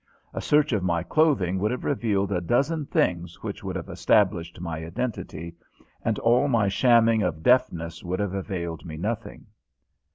A search of my clothing would have revealed a dozen things which would have established my identity, and all my shamming of deafness would have availed me nothing.